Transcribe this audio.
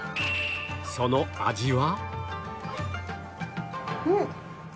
その味は？